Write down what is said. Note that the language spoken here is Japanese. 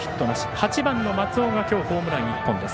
８番の松尾が今日ホームラン１本です。